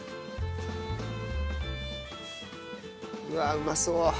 うわうまそう！